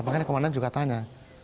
makanya komandan juga tanya